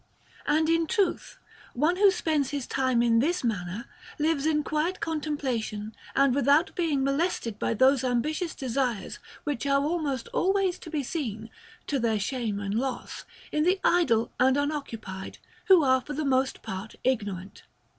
And in truth one who spends his time in this manner, lives in quiet contemplation and without being molested by those ambitious desires which are almost always seen, to their shame and loss, in the idle and unoccupied, who are for the most part ignorant.